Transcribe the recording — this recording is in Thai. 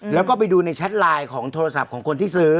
แล้วก็ไปดูในแชทไลน์ของโทรศัพท์ของคนที่ซื้อ